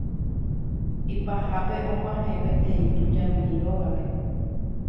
Ipahápe og̃uahẽ peteĩ tujami rógape.